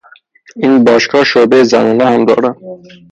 این باشگاه شعبهی زنانه هم دارد.